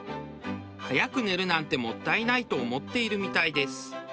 早く寝るなんてもったいないと思っているみたいです。